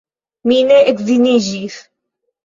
Mi ne edziniĝis.